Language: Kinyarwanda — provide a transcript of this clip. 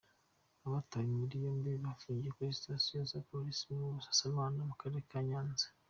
Abatawe muri yombi bafungiye kuri sitasiyo ya Polisi ya Busasamana mu karere ka Nyanza.